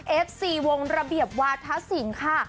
เอฟซีวงระเบียบวาธศิลป์ค่ะ